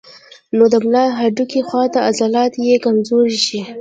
نو د ملا د هډوکي خواته عضلات ئې کمزوري شي